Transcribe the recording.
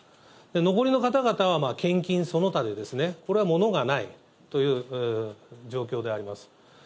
残りの方々は献金その他でですね、これは物がないという状況であります。